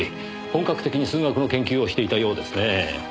本格的に数学の研究をしていたようですねぇ。